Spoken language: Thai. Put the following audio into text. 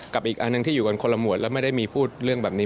อีกอันหนึ่งที่อยู่กันคนละหมวดแล้วไม่ได้มีพูดเรื่องแบบนี้